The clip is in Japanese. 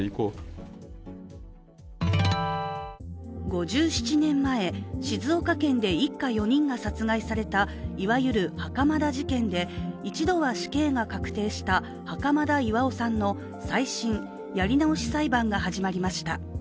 ５７年前、静岡県で一家４人が殺害されたいわゆる袴田事件で、一度は死刑が確定した袴田巌さんの再審、やり直し裁判が始まりました。